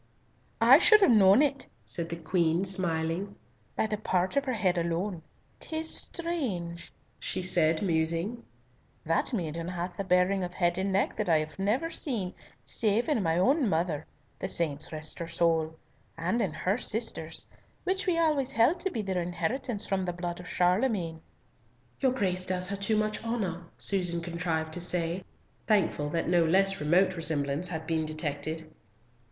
"I should have known it," said the Queen, smiling, "by the port of her head alone. 'Tis strange," she said, musing, "that maiden hath the bearing of head and neck that I have never seen save in my own mother, the saints rest her soul, and in her sisters, and which we always held to be their inheritance from the blood of Charlemagne." "Your grace does her too much honour," Susan contrived to say, thankful that no less remote resemblance had been detected.